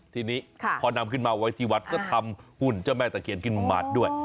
ทีนี้พอนำขึ้นมาไว้ที่วัดก็ทำหุ่นเจ้าแม่ตะเคียนขึ้นมาด้วย